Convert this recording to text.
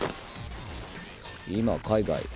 今海外。